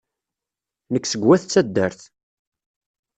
Nekk seg wayt taddart.